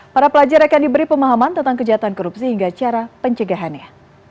para pelajar akan diberi pemahaman tentang kejahatan korupsi hingga cara pencegahannya